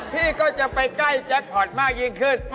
พี่ก็จะไปใกล้แจ็คพอร์ตมากยิ่งขึ้น